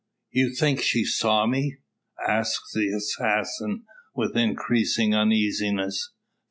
"You think she saw me?" asks the assassin, with increasing uneasiness.